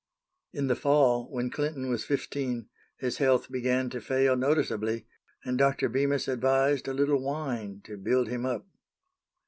In the fall, when Clinton was fifteen, his health began to fail noticeably, and Dr. Bemis advised a little wine "to build him up."